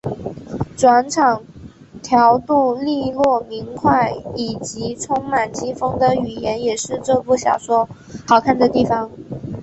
转场调度俐落明快以及充满机锋的语言也是这部小说好看的地方。